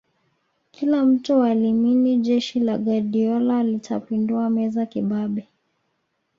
kila mtu alimini jeshi la guardiola litapindua meza kibabe